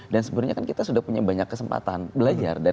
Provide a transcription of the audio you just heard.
dan sebenarnya kita sudah punya banyak kesempatan belajar